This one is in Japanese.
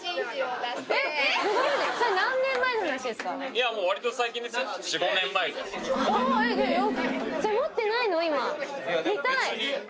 いやもう割と最近ですよ。